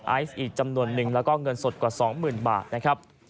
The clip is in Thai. ไอซ์อีกจำนวนนึงแล้วก็เงินสดกว่า๒๐๐๐บาทนะครับ